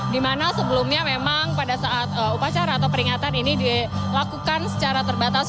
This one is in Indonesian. dimana sebelumnya memang pada saat upacara atau peringatan ini dilakukan secara terbatas